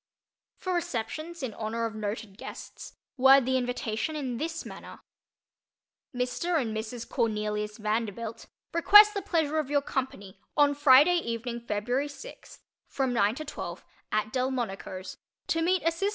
For receptions in honor of noted guests, word the invitation in this manner: MR. AND MRS. CORNELIUS VANDERBILT request the pleasure of your company on Friday evening February sixth from nine to twelve AT DELMONICO'S to meet Asst.